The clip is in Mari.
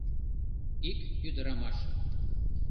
Ик ӱдырамаш.